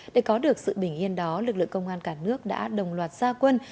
để có được sự bình yên đó lực lượng công an cả nước đã đồng loạt gia quân